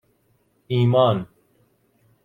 ایمان